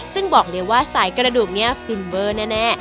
ซึ่งบอกเลยว่าสายกระดูกนี้ฟินเวอร์แน่